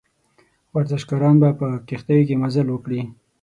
ورزشکاران به په کښتیو کې مزل وکړي.